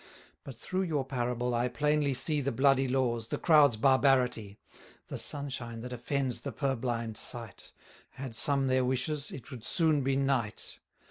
But through your parable I plainly see The bloody laws, the crowd's barbarity; The sunshine that offends the purblind sight: Had some their wishes, it would soon be night.